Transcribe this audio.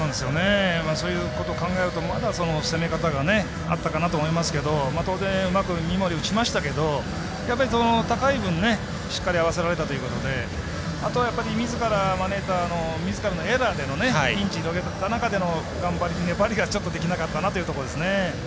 そういうこと考えるとまだ、攻め方があったかなと思いますが当然、うまく三森打ちましたけど高い分、しっかり合わせられたということであとは、みずから招いたみずからのエラーでのピンチ広げた中で頑張り、粘りがちょっとできなかったなというところですね。